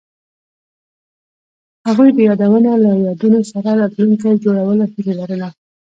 هغوی د یادونه له یادونو سره راتلونکی جوړولو هیله لرله.